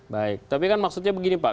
baik tapi kan maksudnya begini pak